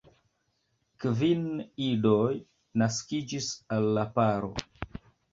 Kvin idoj naskiĝis al la paro.